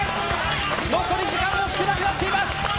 残り時間も少なくなってきた。